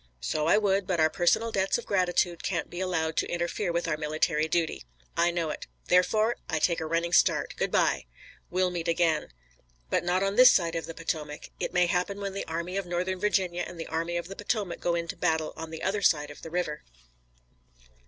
"So I would, but our personal debts of gratitude can't be allowed to interfere with our military duty." "I know it. Therefore I take a running start. Good by." "We'll meet again." "But not on this side of the Potomac. It may happen when the Army of Northern Virginia and the Army of the Potomac go into battle on the other side of the river."